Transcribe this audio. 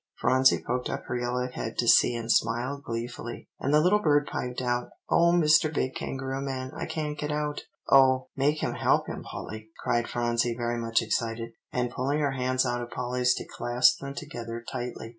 Phronsie poked up her yellow head to see, and smiled gleefully. "And the little bird piped out, 'Oh Mr. big Kangaroo man, I can't get out.'" "Oh, make him help him, Polly," cried Phronsie very much excited, and pulling her hands out of Polly's to clasp them together tightly.